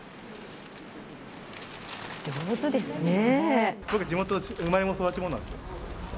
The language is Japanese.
上手ですね。